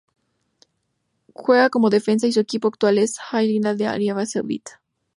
Juega como defensa y su equipo actual es el Al-Hilal de Arabia Saudita.